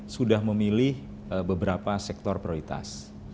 sudah memilih beberapa sektor prioritas